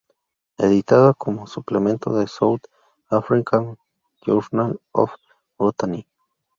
Editada como suplemento de "South African Journal of Botany".